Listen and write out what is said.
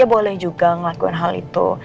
ya boleh juga ngelakuin hal itu